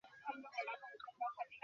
তাহলে হার্লো একটা ভুতুড়ে শহর।